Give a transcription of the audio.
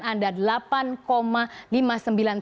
ini mungkin salah satu klub kesayangan anda